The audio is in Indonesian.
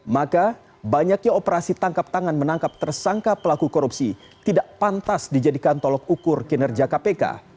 maka banyaknya operasi tangkap tangan menangkap tersangka pelaku korupsi tidak pantas dijadikan tolok ukur kinerja kpk